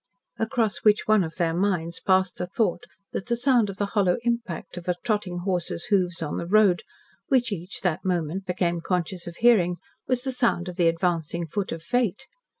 Across which one of their minds passed the thought that the sound of the hollow impact of a trotting horse's hoofs on the road, which each that moment became conscious of hearing was the sound of the advancing foot of Fate?